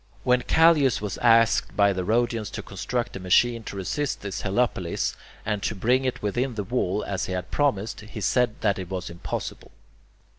When Callias was asked by the Rhodians to construct a machine to resist this helepolis, and to bring it within the wall as he had promised, he said that it was impossible.